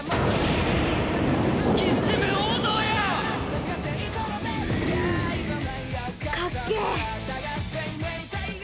突き進む王道よ！かっけえ！